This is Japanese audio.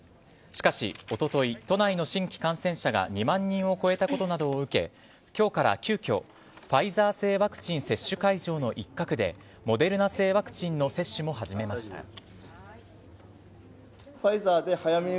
しかし、おととい都内の新規感染者が２万人を超えたことなどを受け今日から急きょファイザー製ワクチン接種会場の一角でモデルナ製ワクチンの接種も始めました。